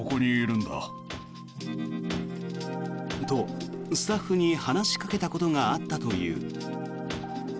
と、スタッフに話しかけたことがあったという。